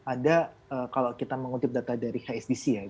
ada kalau kita mengutip data dari hsdc ya